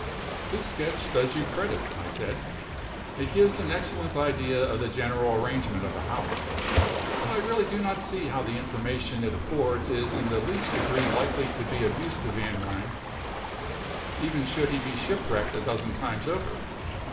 "This sketch does you credit," I said. "It gives an excellent idea of the general arrangement of the house; but I really do not see how the information it affords is in the least degree likely to be of use to Van Ryn, even should he be shipwrecked a dozen times over.